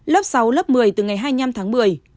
lớp sáu lớp một mươi từ ngày hai mươi năm tháng một mươi